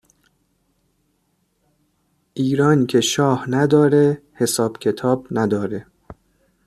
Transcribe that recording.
ایران که شاه نداره حساب کتاب نداره